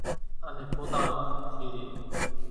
انين پوتا مان ۿپ ٿي رئي،